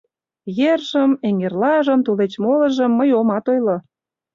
Ержым, эҥерлажым, тулеч молыжым мый омат ойло.